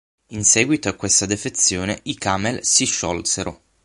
In seguito a questa defezione i Camel si sciolsero.